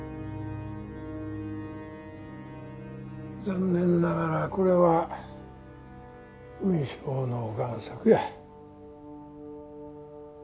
残念ながらこれは雲尚の贋作や。